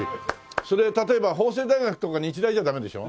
それ例えば法政大学とか日大じゃダメでしょ？